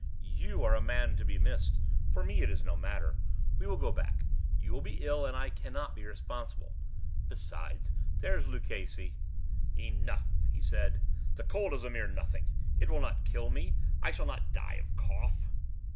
You are a man to be missed. For me it is no matter. We will go back; you will be ill, and I cannot be responsible. Besides, there is Luchesi—" "Enough," he said; "the cough is a mere nothing; it will not kill me. I shall not die of a cough."